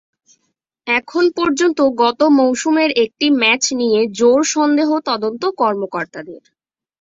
এখন পর্যন্ত গত মৌসুমের একটি ম্যাচ নিয়ে জোর সন্দেহ তদন্ত কর্মকর্তাদের।